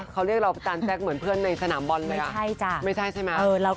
เขาเรียกเราจันแจ๊กเหมือนเพื่อนในสนามบอลเลยล่ะ